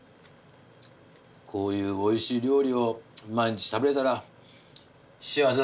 こういうおいしい料理を毎日食べれたら幸せだろうな。